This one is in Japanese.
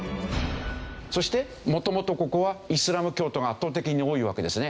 そして元々ここはイスラム教徒が圧倒的に多いわけですね。